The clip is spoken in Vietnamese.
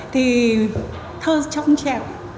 thì thơ trong trẻo